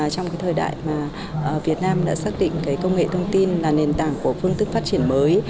trong thời đại mà việt nam đã xác định công nghệ thông tin là nền tảng của phương thức phát triển mới